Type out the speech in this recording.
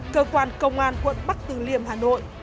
cơ quan công an quận bắc từ liêm hà nội